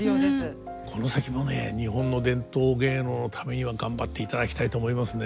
この先もね日本の伝統芸能のためには頑張っていただきたいと思いますね。